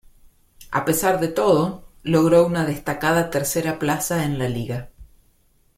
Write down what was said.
A pesar de todo, logró una destacada tercera plaza en la Liga.